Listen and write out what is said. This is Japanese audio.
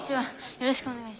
よろしくお願いします。